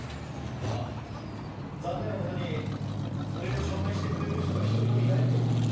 まあ残念な事にそれを証明してくれる人が１人もいないという事です。